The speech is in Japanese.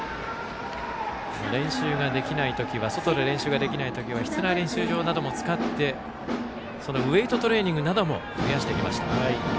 外で練習ができないときは室内練習場なども使ってウエイトトレーニングなども増やしていきました。